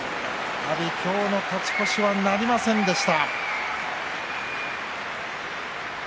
阿炎、今日の勝ち越しはなりませんでした。